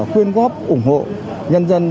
khuyên góp ủng hộ nhân dân